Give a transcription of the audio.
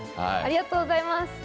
ありがとうございます。